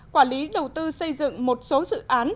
quản lý đầu tư xây dựng một số dự án